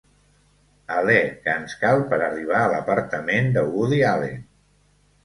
Alè que ens cal per arribar a l'apartament de Woody Allen.